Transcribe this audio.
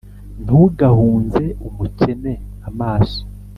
Ntugahunze umukene amaso,